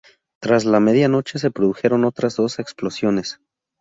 Tras la medianoche se produjeron otras dos explosiones.